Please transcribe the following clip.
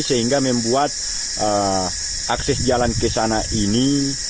sehingga membuat akses jalan ke sana ini